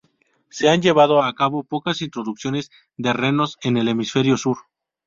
Se han llevado a cabo pocas introducciones de renos en el hemisferio sur.